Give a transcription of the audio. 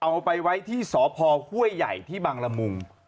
เอาไปไว้ที่สพห้วยใหญ่ที่บังละมุง